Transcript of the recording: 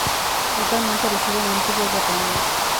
Actualmente reside en la Antigua Guatemala.